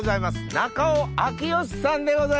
中尾明慶さんでございます。